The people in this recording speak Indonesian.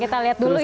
kita lihat dulu ya